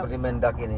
seperti mendak ini